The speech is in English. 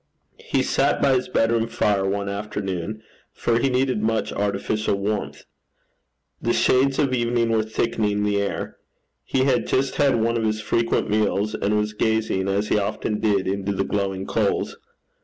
He sat by his bedroom fire one afternoon, for he needed much artificial warmth. The shades of evening were thickening the air. He had just had one of his frequent meals, and was gazing, as he often did, into the glowing coals.